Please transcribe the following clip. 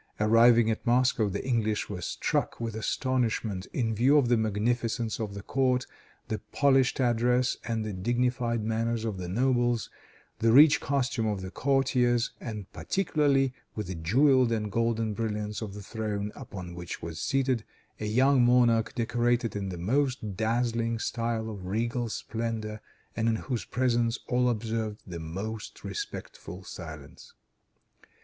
Arriving at Moscow, the English were struck with astonishment in view of the magnificence of the court, the polished address and the dignified manners of the nobles, the rich costume of the courtiers, and, particularly, with the jeweled and golden brilliance of the throne, upon which was seated a young monarch decorated in the most dazzling style of regal splendor, and in whose presence all observed the most respectful silence.